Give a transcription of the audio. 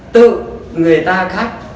tự người ta khác